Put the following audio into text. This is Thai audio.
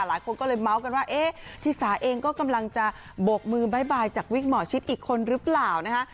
หลายคนก็เลยเมาส์กันว่าเอ๊ะธิสาเองก็กำลังจะโบกมือบ๊ายบายจากวิกหมอชิดอีกคนหรือเปล่านะคะ